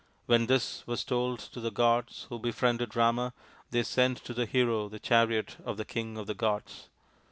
When this was told to the gods who befriended Rama they sent to the hero the chariot of the king of the gods.